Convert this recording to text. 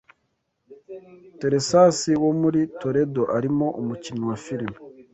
Teresasi wo muri Toledo arimo umukinnyi wa filime